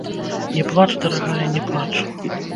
Не плач, дарагая, не плач.